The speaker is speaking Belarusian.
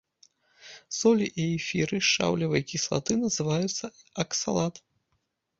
Солі і эфіры шчаўевай кіслаты называюцца аксалат.